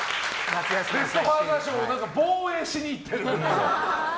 ベスト・ファーザー賞を防衛しに行ってる。